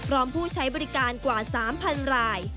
ผู้ใช้บริการกว่า๓๐๐ราย